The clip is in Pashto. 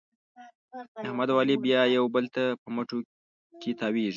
احمد او علي بیا یو بل ته په مټو کې تاوېږي.